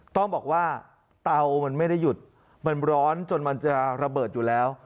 ต้องบอกว่าเตามันไม่ได้หยุดมันร้อนจนมันจะระเบิดอยู่แล้ว